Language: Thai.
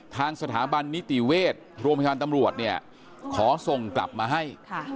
ทางสถาบันนิติเวชโรงพยาบาลตำรวจเนี่ยขอส่งกลับมาให้